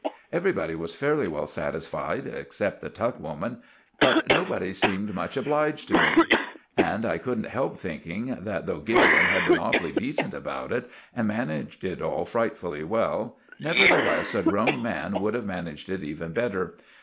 Everybody was fairly well satisfied except the tuck woman, but nobody seemed much obliged to me; and I couldn't help thinking that though Gideon had been awfully decent about it, and managed it all frightfully well, nevertheless a grown man would have managed it even better.